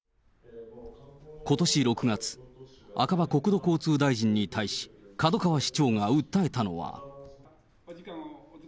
ことし６月、赤羽国土交通大臣に対し、門川市長が訴えたのは。